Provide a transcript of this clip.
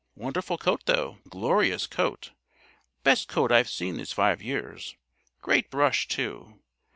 Wonderful coat, though glorious coat! Best coat I've seen this five years. Great brush, too!